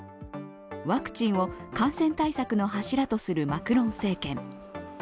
ワクチンを感染対策の柱とするマクロン政権。